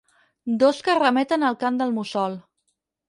Dos que remeten al cant del mussol.